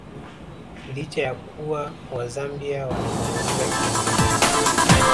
Licha ya kuwa Wazambia wanazungumza Kiingereza